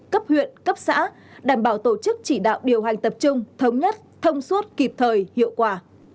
cấp huyện cấp xã đảm bảo tổ chức chỉ đạo điều hành tập trung thống nhất thông suốt kịp thời hiệu quả